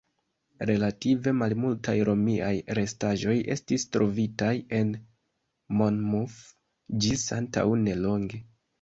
Relative malmultaj Romiaj restaĵoj estis trovitaj en Monmouth ĝis antaŭ nelonge.